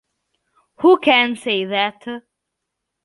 Who can say that?